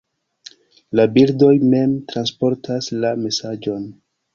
La bildoj mem transportas la mesaĝon.